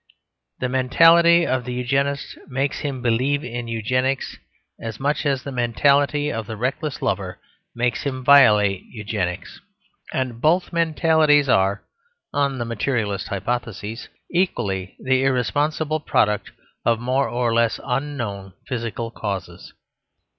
The mentality of the Eugenist makes him believe in Eugenics as much as the mentality of the reckless lover makes him violate Eugenics; and both mentalities are, on the materialist hypothesis, equally the irresponsible product of more or less unknown physical causes.